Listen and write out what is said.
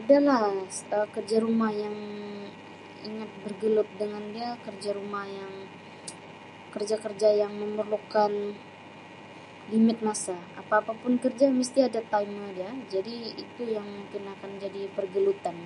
Adalah, Um kerja rumah yang ingat bergelut dengan dia kerja rumah yang kerja-kerja yang memerlukan limit masa, apa-apa pun kerja mesti ada timer dia, jadi itu yang mungkin akan jadi pergelutan.